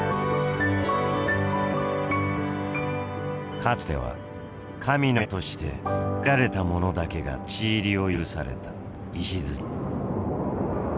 かつては神の山として限られた者だけが立ち入りを許された石。